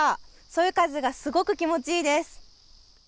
そよ風がすごく気持ちいいです。